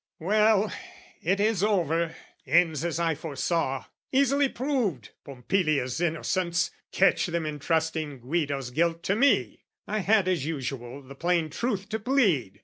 "Well, it is over, ends as I foresaw: "Easily proved, Pompilia's innocence! "Catch them entrusting Guido's guilt to me! "I had, as usual, the plain truth to plead.